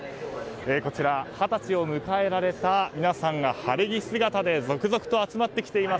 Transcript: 二十歳を迎えられた皆さんが晴れ着姿で続々と集まってきています。